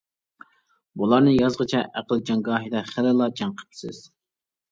بۇلارنى يازغىچە ئەقىل جەڭگاھىدا خىلىلا «جەڭ» قىپسىز!